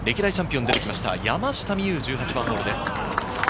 歴代チャンピオンも出てきました、山下美夢有、１８番です。